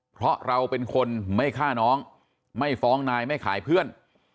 เพราะเราเป็นคนไม่ฆ่าน้องไม่ฟ้องนายไม่ขายเพื่อน